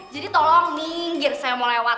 jadi tolong ninggir saya mau lewat